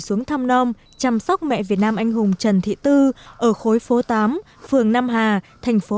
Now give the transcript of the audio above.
xuống thăm non chăm sóc mẹ việt nam anh hùng trần thị tư ở khối phố tám phường nam hà thành phố